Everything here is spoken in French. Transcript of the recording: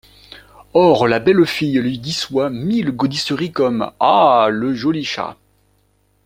Ores la belle fille luy disoyt mille gaudisseries comme :« Ha ! le ioly chaz !